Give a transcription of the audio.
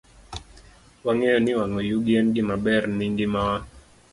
Wang'eyo ni wang'o yugi en gima ber ne ngimawa.